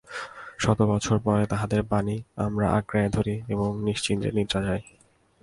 শত বৎসর পরে তাঁহাদের বাণী আমরা আঁকড়াইয়া ধরি এবং নিশ্চিন্তে নিদ্রা যাই।